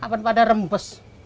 apaan pada rembes